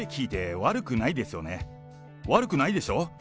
悪くないでしょ？